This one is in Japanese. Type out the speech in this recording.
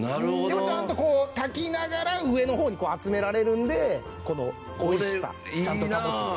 でもちゃんとこう炊きながら上の方に集められるのでこの美味しさちゃんと保つんです。